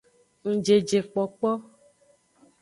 Ngjejekpokpo.